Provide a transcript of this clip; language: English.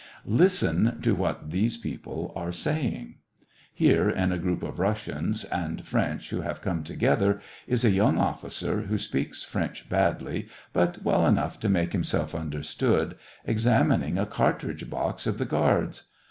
Listen to what these people are saying. Here, in a group of Russians and French who have come together, is a young officer, who speaks French badly, but well enough to make himself understood, examining a cartridge box of the guards.